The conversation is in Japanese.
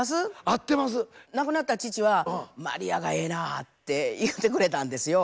亡くなった父は「マリアがええな」って言うてくれたんですよ。